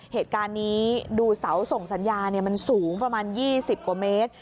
เหตุการณ์นี้ดูเสาส่งสัญญามันสูงประมาณ๒๐กว่าเมตร